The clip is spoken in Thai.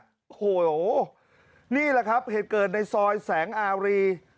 โอ้โหนี่แหละครับเหตุเกิดในซอยแสงอารี